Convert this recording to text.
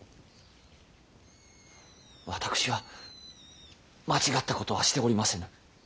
私は間違ったことはしておりませぬ。